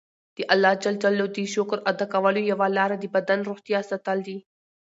د الله ج د شکر ادا کولو یوه لاره د بدن روغتیا ساتل دي.